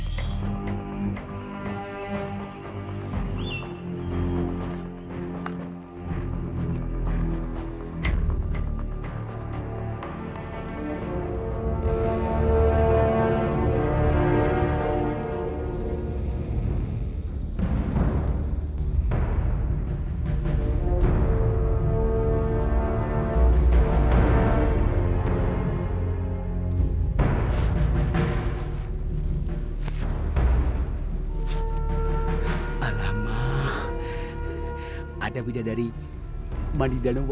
sampai jumpa di video selanjutnya